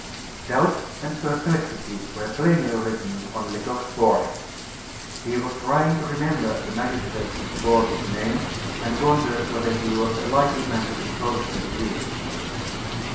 Doubt and perplexity were plainly written on Lecoq's forehead. He was trying to remember the magistrate that bore this name, and wondered whether he was a likely man to espouse his views.